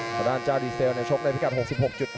ทางด้านเจ้าดีเซลชกในพิกัด๖๖๕